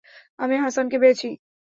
আমি হাসানকে পেয়েছি।